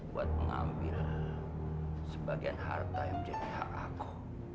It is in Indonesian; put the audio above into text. buat mengambil sebagian harta yang menjadi hak aku